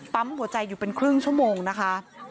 หัวใจอยู่เป็นครึ่งชั่วโมงนะคะ